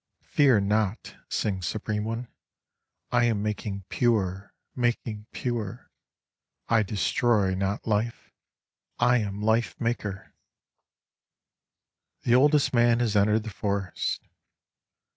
"Fear not," sings Supreme One;"I am making pure, making pure,I destroy not life,I am Life maker!"The oldest man has entered the forest.